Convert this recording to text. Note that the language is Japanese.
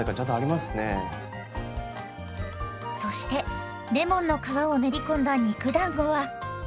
そしてレモンの皮を練り込んだ肉だんごは？